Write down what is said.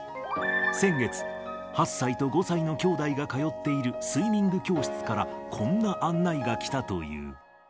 先月、８歳と５歳の兄弟が通っているスイミング教室から、こんな案内が来たという。